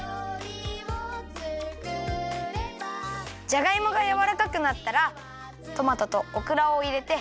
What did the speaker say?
じゃがいもがやわらかくなったらトマトとオクラをいれて。